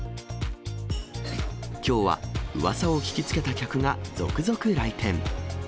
きょうはうわさを聞きつけた客が続々来店。